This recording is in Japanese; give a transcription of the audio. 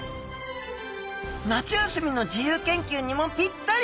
夏休みの自由研究にもピッタリ！